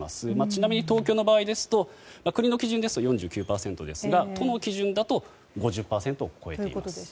ちなみに東京の場合ですと国の基準ですと４９％ですが都の基準だと５０％を超えています。